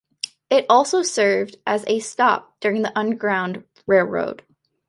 It also served as a stop during the underground railroad.